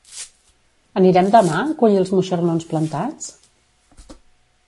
Anirem demà a collir els moixernons plantats?